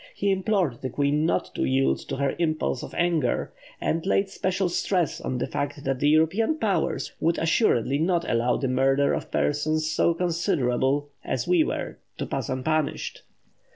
He implored the Queen not to yield to her impulse of anger, and laid special stress on the fact that the European Powers would assuredly not allow the murder of persons so considerable as we were to pass unpunished.